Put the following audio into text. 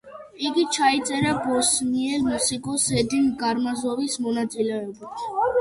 იგი ჩაიწერა ბოსნიელი მუსიკოს ედინ კარამაზოვის მონაწილეობით.